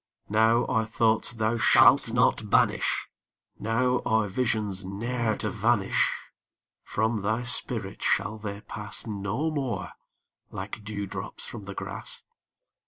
Now are thoughts thou shalt not banish Now are visions ne'er to vanish From thy spirit shall they pass No more like dew drops from the grass.